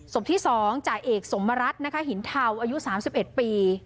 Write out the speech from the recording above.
สมที่๒จ่ายเอกสมรัฐหินเทาอายุ๓๑ปี